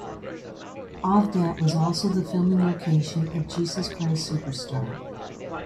Avdat was also the filming location of "Jesus Christ Superstar".